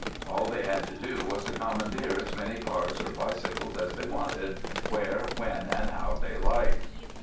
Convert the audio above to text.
All they had to do was to commandeer as many cars or bicycles as they wanted, where, when, and how they liked.